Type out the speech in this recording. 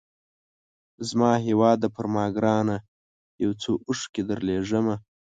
زما هیواده پر ما ګرانه یو څو اوښکي درلېږمه